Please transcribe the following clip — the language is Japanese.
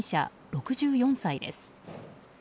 ６４歳です。